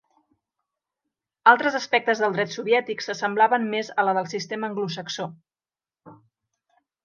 Altres aspectes del Dret soviètic s'assemblaven més a la del sistema anglosaxó.